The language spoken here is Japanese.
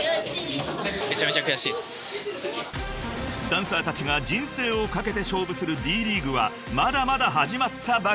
［ダンサーたちが人生を懸けて勝負するＤ．ＬＥＡＧＵＥはまだまだ始まったばかり］